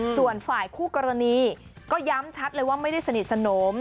ส่วนฝ่ายคู่กรณีก็ย้ำชัดเลยว่าไม่ได้สนิทสนม